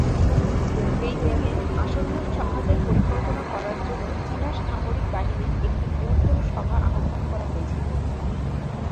বেইজিংয়ে, আসন্ন সংঘাতের পরিকল্পনা করার জন্য চীনা সামরিক বাহিনীর একটি বৃহত্তর সভা আহ্বান করা হয়েছিল।